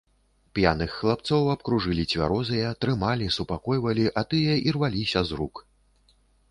П'яных хлапцоў абкружылі цвярозыя, трымалі, супакойвалі, а тыя ірваліся з рук.